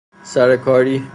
سر کاری